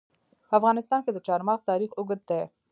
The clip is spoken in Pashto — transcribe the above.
په افغانستان کې د چار مغز تاریخ اوږد دی.